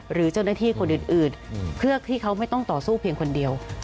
หรือเจ้าหน้าที่คนอื่นเพื่อที่เขาไม่ต้องต่อสู้เพียงคนเดียว